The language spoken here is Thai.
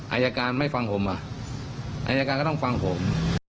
อายการไม่ฟังผมอ่ะอายการก็ต้องฟังผม